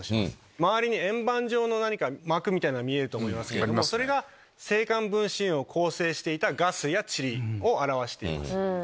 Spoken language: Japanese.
周りに円盤状の膜みたいなのが見えると思いますけどもそれが星間分子雲を構成していたガスやチリを表しています。